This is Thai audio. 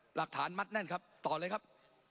หลักฐานมัดแน่นครับต่อเลยครับ